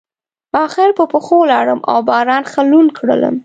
اخر په پښو لاړم او باران ښه لوند کړلم.